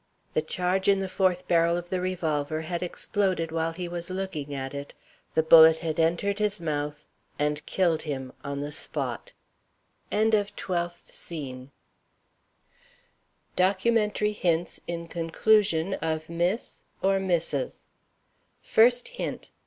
The charge in the fourth barrel of the revolver had exploded while he was looking at it. The bullet had entered his mouth and killed him on the spot. DOCUMENTARY HINTS, IN CONCLUSION. First Hint.